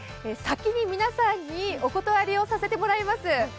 先に皆さんにお断りをさせてもらいます。